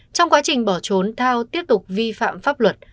trong quá trình bỏ trốn thao tiếp tục vi phạm pháp luật